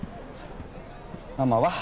ママは？